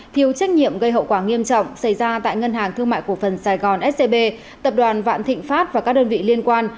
thiếu trách nhiệm gây hậu quả nghiêm trọng xảy ra tại ngân hàng thương mại cổ phần sài gòn scb tập đoàn vạn thịnh pháp và các đơn vị liên quan